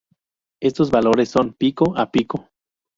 Estos valores son pico a pico.